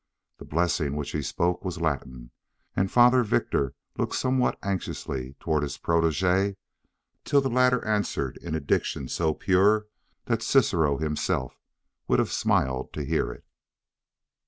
The blessing which he spoke was Latin, and Father Victor looked somewhat anxiously toward his protege till the latter answered in a diction so pure that Cicero himself would have smiled to hear it.